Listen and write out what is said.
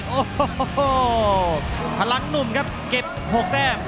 โอ้โหพลังหนุ่มครับเก็บ๖แต้ม